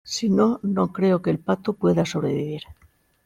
si no , no creo que el pato pueda sobrevivir